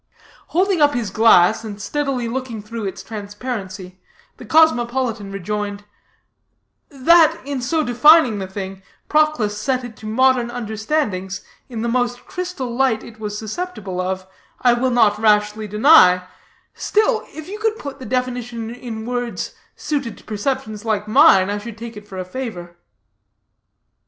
Holding up his glass, and steadily looking through its transparency, the cosmopolitan rejoined: "That, in so defining the thing, Proclus set it to modern understandings in the most crystal light it was susceptible of, I will not rashly deny; still, if you could put the definition in words suited to perceptions like mine, I should take it for a favor.